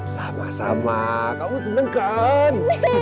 sama sama kamu senengkan